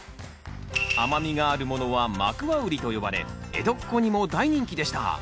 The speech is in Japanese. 甘みがあるものはマクワウリと呼ばれ江戸っ子にも大人気でした。